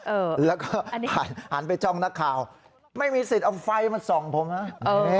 เออแล้วก็หันหันไปจ้องนักข่าวไม่มีสิทธิ์เอาไฟมาส่องผมนะ